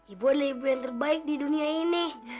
ibu adalah ibu yang terbaik di dunia ini